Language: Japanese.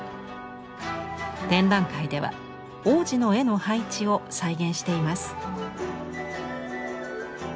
展覧会では往時の絵の配置を再現しています。